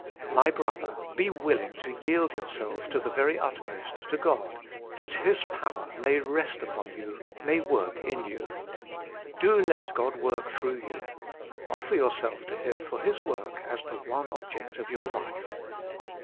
My brother ! be willing to yield yourself to the very utmost to God, that His power may rest upon you, may work in you. Do let God work through you. Offer yourself to Him for His work as the one object of your life.